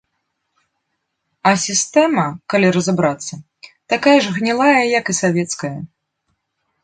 А сістэма, калі разабрацца, такая ж гнілая, як і савецкая.